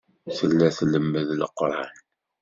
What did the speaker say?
Tella tlemmed Leqran.